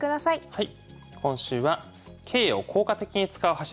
はい。